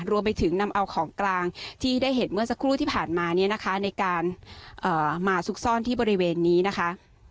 รวมไปถึงนำเอาของกลางที่ได้เห็นเมื่อสักครู่ที่ผ่านมาเนี่ยนะคะในการมาซุกซ่อนที่บริเวณนี้นะคะ